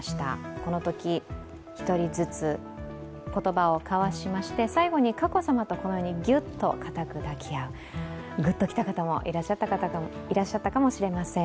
このとき１人ずつ言葉を交わしまして最後に佳子さまとこのようにギュッと抱き合う、ぐっときた方もいらっしゃったかもしれません。